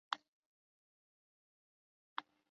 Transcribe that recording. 陈朝自从灭亡。